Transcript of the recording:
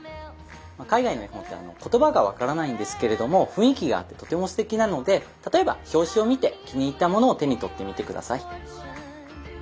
海外の絵本って言葉が分からないんですけれども雰囲気があってとてもすてきなので例えば表紙を見て気に入ったものを手に取ってみて下さい。